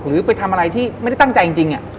หรือไปทำอะไรที่ไม่ได้ตั้งใจจริง